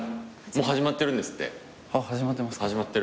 もう始まってるんですって。